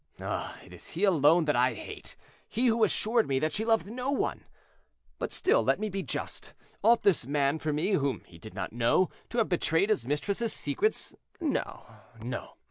Oh, it is he alone that I hate; he who assured me that she loved no one. But still let me be just. Ought this man for me, whom he did not know, to have betrayed his mistress's secrets? No, no.